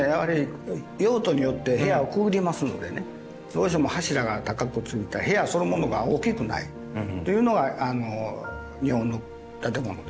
用途によって部屋を区切りますのでねどうしても柱が高くついて部屋そのものが大きくないというのが日本の建物です。